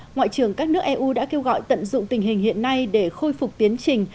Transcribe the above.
ngoại trưởng các nước eu đã kêu gọi tận dụng tình hình hiện nay để khôi phục tiến trình